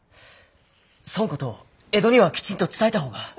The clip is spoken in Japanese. そんことを江戸にはきちんと伝えた方が。